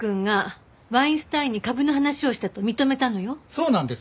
そうなんです。